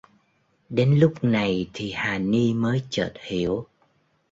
Đến lúc này thì hà ni mới chợt hiểu